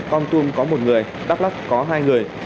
con tum có một người đắk lắc có hai người